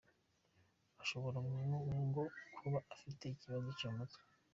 Ashobora ngo kuba afite ikibazo cyo mu mutwe.